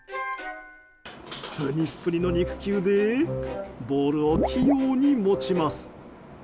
ぷにぷにの肉球でボールを器用に持ちます。